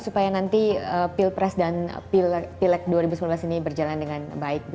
supaya nanti pilpres dan pileg dua ribu sembilan belas ini berjalan dengan baik